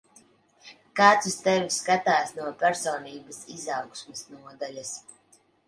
Kāds uz tevi skatās no personības izaugsmes nodaļas.